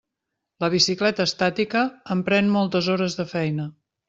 La bicicleta estàtica em pren moltes hores de feina.